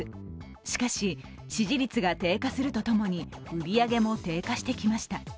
しかし、支持率が低下するとともに売り上げも定価してきました。